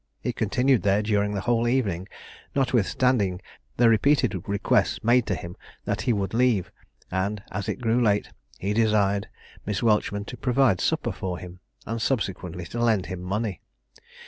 He continued there during the whole evening, notwithstanding the repeated requests made to him that he would leave; and, as it grew late, he desired Miss Welchman to provide supper for him, and subsequently to lend him money.